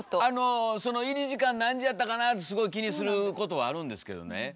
あのその入り時間何時やったかなってすごい気にすることはあるんですけどね